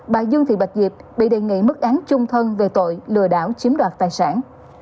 bà dương thị bạch diệp bị đề nghị mức án trung thân về tội lừa đảo chiếm đoạt tài sản